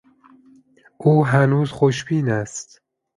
او هنوز خوشبین است.